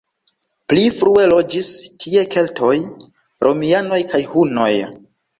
Pli frue loĝis tie keltoj, romianoj kaj hunoj.